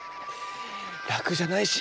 らくじゃないし。